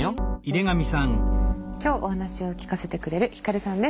今日お話を聞かせてくれるひかるさんです。